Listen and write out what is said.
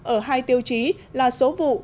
ở hai tiêu chí là số vụ